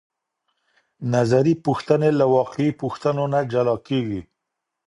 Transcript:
نظري پوښتنې له واقعي پوښتنو نه جلا کیږي.